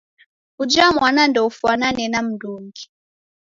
Uja mwana ndoufwanane na m'ndungi.